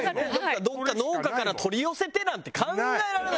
どこか農家から取り寄せてなんて考えられないよね。